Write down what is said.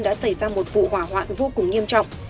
đã xảy ra một vụ hỏa hoạn vô cùng nghiêm trọng